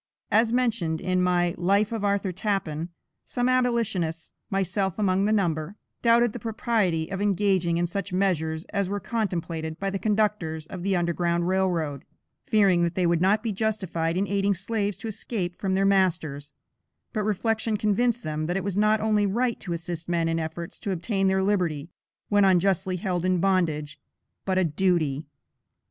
As mentioned in my "Life of Arthur Tappan," some abolitionists (myself among the number), doubted the propriety of engaging in such measures as were contemplated by the conductors of the "Underground Rail Road," fearing that they would not be justified in aiding slaves to escape from their masters; but reflection convinced them that it was not only right to assist men in efforts to obtain their liberty, when unjustly held in bondage, but a DUTY.